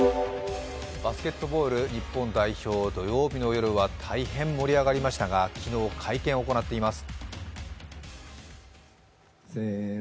バスケットボール日本代表、土曜日の夜は大変盛り上がりましたが昨日、会見を行っています。